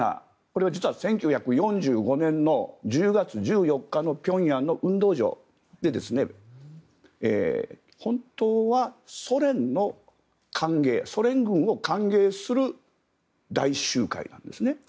これは実は１９４５年１０月１４日の平壌の運動場で本当はソ連軍を歓迎する大集会なんです。